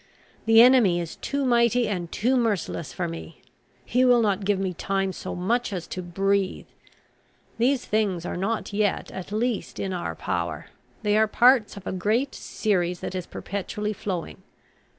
The enemy is too mighty and too merciless for me; he will not give me time so much as to breathe. These things are not yet at least in our power: they are parts of a great series that is perpetually flowing.